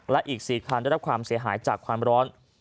และอีก๔คันได้รับความเสียหายจากความร้อน